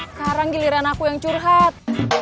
sekarang giliran aku yang curhat